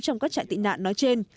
trong các trại tị nạn nói trên